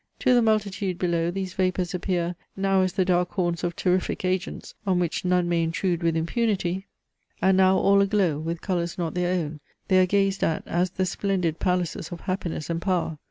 To the multitude below these vapours appear, now as the dark haunts of terrific agents, on which none may intrude with impunity; and now all aglow, with colours not their own, they are gazed at as the splendid palaces of happiness and power.